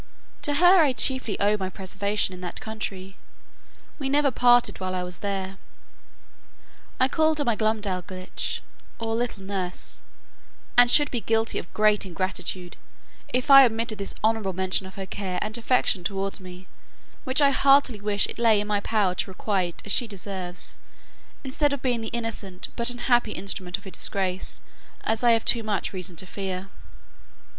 To her I chiefly owe my preservation in that country: we never parted while I was there; I called her my Glumdalclitch, or little nurse; and should be guilty of great ingratitude, if I omitted this honourable mention of her care and affection towards me, which I heartily wish it lay in my power to requite as she deserves, instead of being the innocent, but unhappy instrument of her disgrace, as I have too much reason to fear.